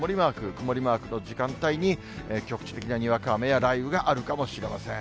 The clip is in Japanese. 曇りマークの時間帯に局地的なにわか雨や雷雨があるかもしれません。